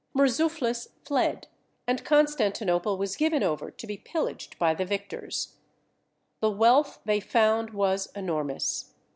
Murzuphlis fled, and Constantinople was given over to be pillaged by the victors. The wealth they found was enormous.